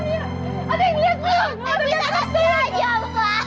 tidak ada yang lihat kamu